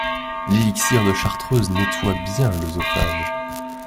L'elixir de chartreuse nettoie bien l'oesophage.